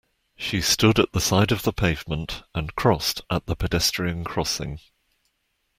She stood at the side of the pavement, and crossed at the pedestrian crossing